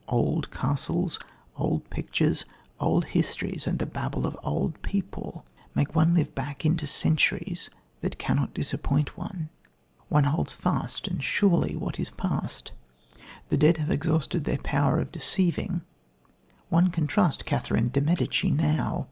Old castles, old pictures, old histories and the babble of old people make one live back into centuries that cannot disappoint one. One holds fast and surely what is past. The dead have exhausted their power of deceiving one can trust Catherine of Medicis now.